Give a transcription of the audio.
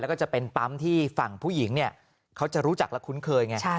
แล้วก็จะเป็นปั๊มที่ฝั่งผู้หญิงเนี่ยเขาจะรู้จักและคุ้นเคยไง